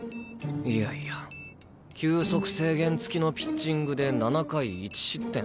いやいや球速制限付きのピッチングで７回１失点。